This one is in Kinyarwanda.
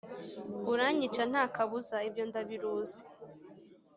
uranyica nta kabuza, ibyo ndabiruzi